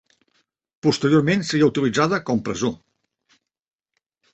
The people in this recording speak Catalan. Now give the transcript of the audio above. Posteriorment seria utilitzada com presó.